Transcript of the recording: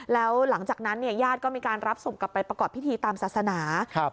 แล้วหลังจากนั้นเนี่ยญาติก็มีการรับศพกลับไปประกอบพิธีตามศาสนา